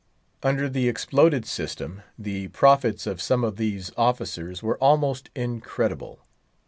Under the exploded system, the profits of some of these officers were almost incredible.